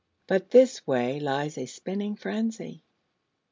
But this way lies a spinning frenzy....